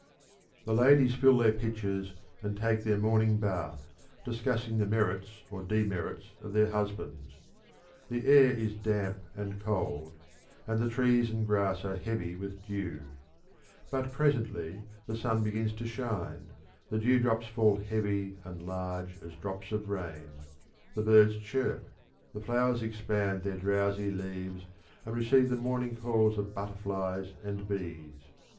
The ladies fill their pitchers and take their morning bath, discussing the merits or demerits of their husbands. The air is damp and cold, and the trees and grass are heavy with dew; but presently the sun begins to shine, the dewdrops fall heavy and large as drops of rain; the birds chirp; the flowers expand their drowsy leaves and receive the morning calls of butterflies and bees.